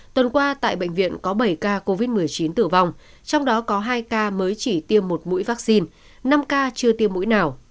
tuần qua tại bệnh viện có bảy ca covid một mươi chín tử vong trong đó có hai ca mới chỉ tiêm một mũi vaccine năm ca chưa tiêm mũi nào